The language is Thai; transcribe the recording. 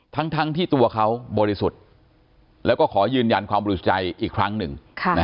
ทั้งที่ตัวเขาบริสุทธิ์แล้วก็ขอยืนยันความบริสุทธิ์ใจอีกครั้งหนึ่ง